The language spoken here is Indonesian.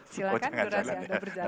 silahkan jura anda berjalan